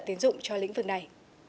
tiến dụng cho lĩnh vực này